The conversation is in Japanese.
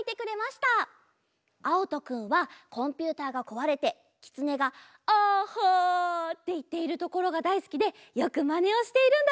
あおとくんはコンピューターがこわれてきつねが「ＡＨＨＡ」っていっているところがだいすきでよくまねをしているんだって！